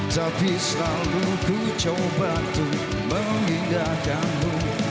tapi selalu ku coba tuh mengindahkanmu